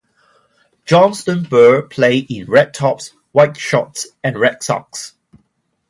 Johnstone Burgh play in red tops, white shorts and red socks.